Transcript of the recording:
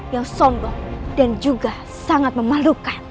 yang sombong dan juga sangat memalukan